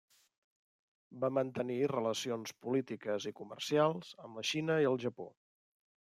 Va mantenir relacions polítiques i comercials amb la Xina i el Japó.